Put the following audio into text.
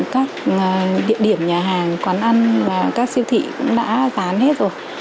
các địa điểm nhà hàng quán ăn và các siêu thị cũng đã bán hết rồi